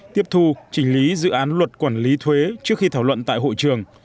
tiếp thu trình lý dự án luật quản lý thuế trước khi thảo luận tại hội trường